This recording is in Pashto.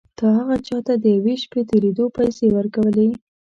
تا هغه چا ته د یوې شپې تېرېدو پيسې ورکولې.